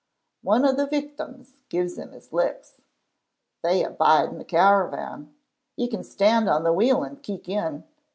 One o' the Victims gives him his licks. They a' bide in the caravan. You can stand on the wheel and keek in.